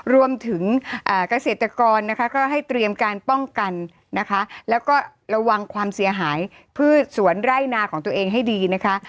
รวมถึงเกษตรกรนะคะก็ให้เตรียมการป้องกันนะคะแล้วก็ระวังความเสียหายพืชสวนไร่นาของตัวเองให้ดีนะคะ